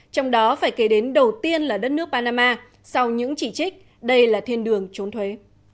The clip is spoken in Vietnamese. trong đó phải kể đến đầu tiên là đất nước panama sau những chỉ trích đây là thiên đường trốn thuế